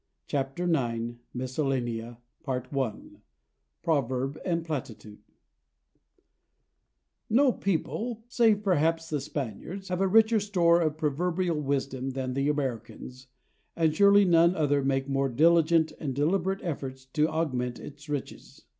[Pg301] IX Miscellanea § 1 /Proverb and Platitude/ No people, save perhaps the Spaniards, have a richer store of proverbial wisdom than the Americans, and surely none other make more diligent and deliberate efforts to augment its riches.